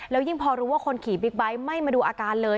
แล้วยิ่งพอรู้ว่าคนขี่บิ๊กไบท์ไม่มาดูอาการเลย